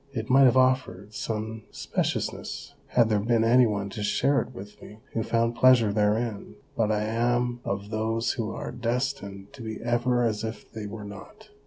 It might have offered some speciousness, had there been any one to share it with me who found pleasure therein, but I am of those who are destined to be ever as if they were not.